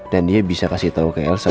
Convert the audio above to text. dan dia bisa kasih tau ke elsa